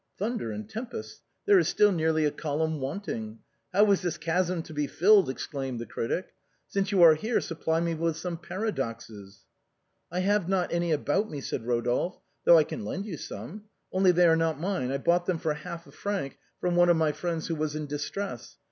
" Thunder and tempests, there is still nearly a column wanting. How is this chasm to be filled ?" exclaimed the critic. " Since you are here, supply me with some para doxes." " I have not any about me," said Eodolphe, " though I can lend you some. Only they are not mine, I bought them for half a franc from one of my friends who was in dis , tress.